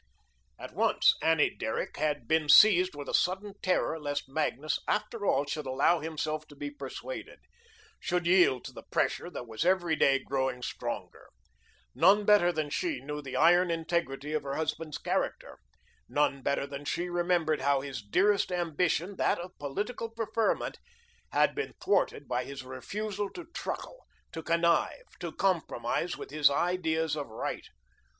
At once, Annie Derrick had been seized with a sudden terror lest Magnus, after all, should allow himself to be persuaded; should yield to the pressure that was every day growing stronger. None better than she knew the iron integrity of her husband's character. None better than she remembered how his dearest ambition, that of political preferment, had been thwarted by his refusal to truckle, to connive, to compromise with his ideas of right.